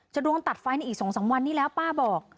โดนตัดไฟในอีก๒๓วันนี้แล้วป้าบอก